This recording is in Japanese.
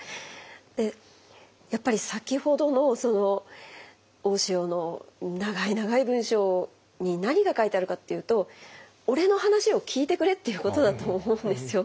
やっぱり先ほどの大塩の長い長い文書に何が書いてあるかっていうと「俺の話を聞いてくれ」っていうことだと思うんですよ。